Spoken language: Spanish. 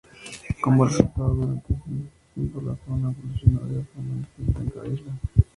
Como resultado, durante ese tiempo la fauna evolucionó de forma distinta en cada isla.